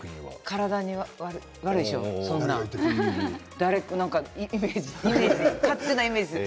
体に悪いという勝手なイメージ。